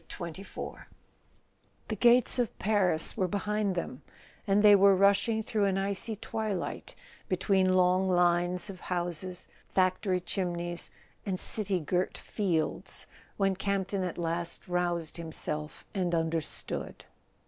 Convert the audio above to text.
f 259 ] BOOK III XXIV HE gates of Paris were behind them, and they X were rushing through an icy twilight between long lines of houses, factory chimneys and city girt fields, when Campton at last roused himself and under¬ stood.